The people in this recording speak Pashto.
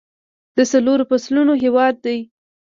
د څلورو فصلونو هیواد دی.